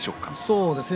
そうですね